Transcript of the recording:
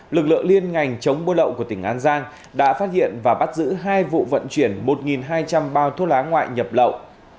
lực lượng liên ngành chống buôn lậu của tỉnh an giang đã phát hiện và bắt giữ hai vụ vận chuyển một hai trăm linh bao thuốc lá ngoại nhập lậu